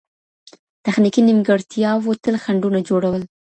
تخنيکي نيمګړتياوو تل خنډونه جوړول.